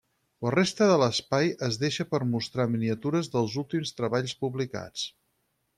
La resta de l'espai es deixa per mostrar miniatures dels últims treballs publicats.